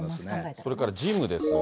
それからジムですが。